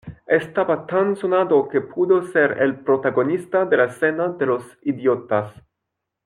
Estaba tan sonado que pudo ser el protagonista de la cena de los idiotas.